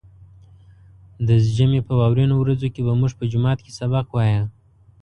د ژمي په واورينو ورځو کې به موږ په جومات کې سبق وايه.